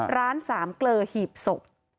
ร้านสามเกลอหิบศพ